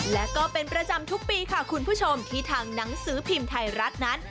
และก็เป็นประจำทุกปีค่ะคุณผู้ชมที่ทางหนังสือพิมพ์ไทยรัฐนั้น